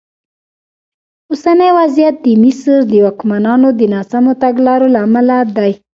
اوسنی وضعیت د مصر د واکمنانو د ناسمو تګلارو له امله دی.